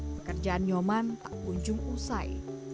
pekerjaan nyoman tak kunjung usai